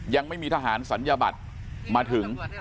ยังไม่มีทหารศัลยบัตรมาถึง